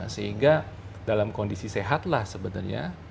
sehingga dalam kondisi sehatlah sebenarnya